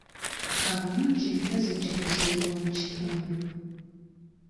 Kabuyonjo empya zijja kuzimbibwa mu kitundu.